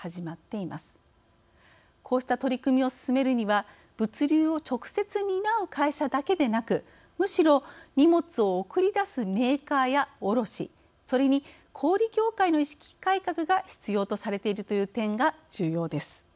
こうした取り組みを進めるには物流を直接担う会社だけでなくむしろ荷物を送りだすメーカーや卸それに小売業界の意識改革が必要とされているという点が重要です。